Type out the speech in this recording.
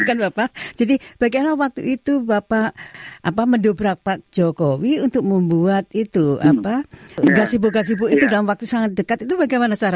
kalau bentuk ada di pasar